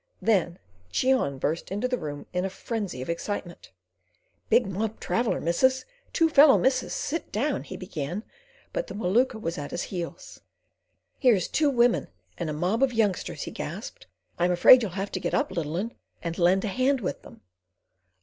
Then Cheon burst into the room in a frenzy of excitement: "Big mob traveller, missus. Two fellow missus, sit down," he began; but the Maluka was at his heels. "Here's two women and a mob of youngsters," he gasped. "I'm afraid you'll have to get up, little 'un, and lend a hand with them."